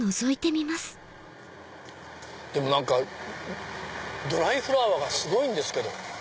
でも何かドライフラワーがすごいんですけど。